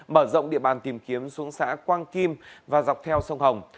mở rộng địa bàn tìm kiếm xuống xã quang kim và dọc theo sông hồng